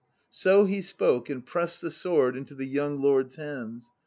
So he spoke and pressed the sword into the young lord's hands.